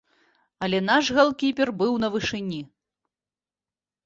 Але наш галкіпер быў на вышыні.